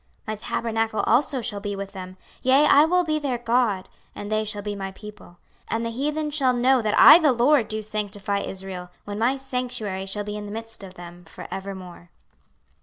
26:037:027 My tabernacle also shall be with them: yea, I will be their God, and they shall be my people. 26:037:028 And the heathen shall know that I the LORD do sanctify Israel, when my sanctuary shall be in the midst of them for evermore.